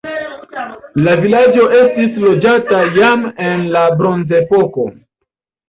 La vilaĝo estis loĝata jam en la bronzepoko.